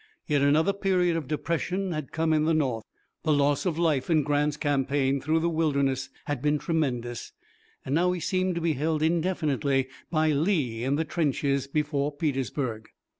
Yet another period of depression had come in the North. The loss of life in Grant's campaign through the Wilderness had been tremendous, and now he seemed to be held indefinitely by Lee in the trenches before Petersburg.